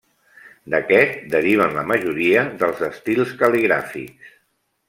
D'aquest, deriven la majoria dels estils cal·ligràfics.